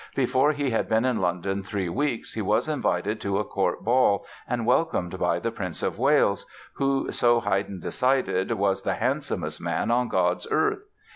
Before he had been in London three weeks he was invited to a court ball and welcomed by the Prince of Wales, who, so Haydn decided, was "the handsomest man on God's earth".